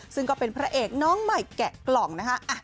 ซึ่งก็เป็นพระเอกน้องใหม่แกะกล่องนะคะ